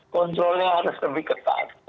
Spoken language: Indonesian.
kontrolnya harus lebih ketat